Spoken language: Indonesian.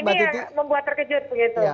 ini yang membuat terkejut begitu